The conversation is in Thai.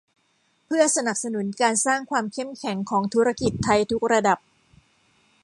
เพื่อสนับสนุนการสร้างความเข้มแข็งของธุรกิจไทยทุกระดับ